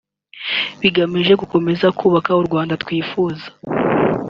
bigamije gukomeza kubaka u Rwanda twifuza